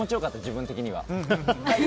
自分的には。